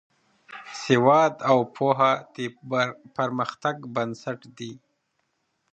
سواد او پوهه د پرمختګ بنسټ دی.